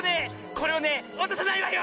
これはねわたさないわよ！